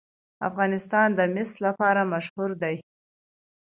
افغانستان د مس لپاره مشهور دی.